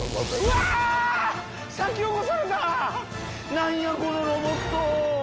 何やこのロボット。